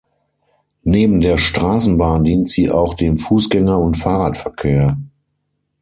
Neben der Straßenbahn dient sie auch dem Fußgänger- und Fahrradverkehr.